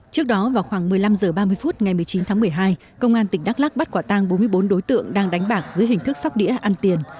trước đó vào khoảng một mươi năm h ba mươi phút ngày một mươi chín tháng một mươi hai công an tỉnh đắk lắc bắt quả tang bốn mươi bốn đối tượng đang đánh bạc dưới hình thức sóc đĩa ăn tiền